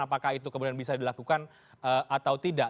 apakah itu kemudian bisa dilakukan atau tidak